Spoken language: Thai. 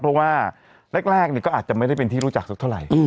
เพราะว่าแรกก็อาจจะไม่ได้เป็นที่รู้จักสักเท่าไหร่